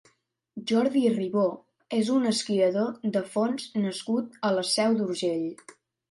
Jordi Ribó és un esquiador de fons nascut a la Seu d'Urgell.